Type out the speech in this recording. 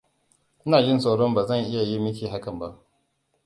Ina jin tsoron ba zan iya yi miki hakan ba.